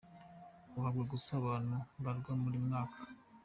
Uhabwa gusa abantu mbarwa buri mwaka .